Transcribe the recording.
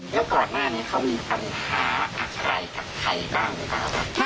แล้วก่อนหน้านี้เขามีปัญหาอะไรกับใครบ้างหรือเปล่าครับ